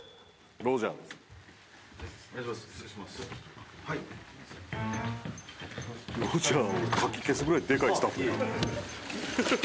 ロジャーをかき消すぐらいでかいスタッフや。